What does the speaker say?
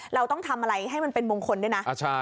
เราต้องทำอะไรให้มันเป็นมงคลด้วยนะ